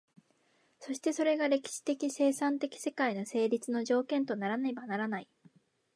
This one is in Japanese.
そしてそれが歴史的生産的世界の成立の条件とならねばならない。